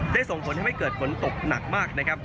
ได้ส่งผลให้เกิดกลมตกหนักมากนะครับ